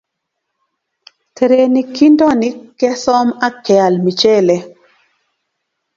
Terenik kintonik kesoom ak keal michelee